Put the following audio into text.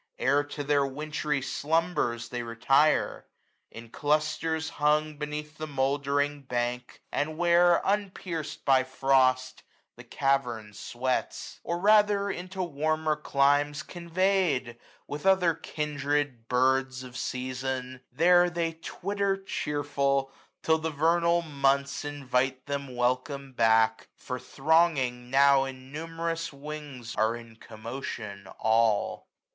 Ere to their wintry slumbers they retire; In clusters clung, beneath the mouldering bank, 840 And where, unpierc'd by frost, the cavern sweats. AUTUMN. iss O!" rather into warmer climes conveyed, With other kindred birds of season, there They twitter cheerful, till the vernal months Invite them welcome back : for, thronging, now 845 Innumerous wings are in commotion all.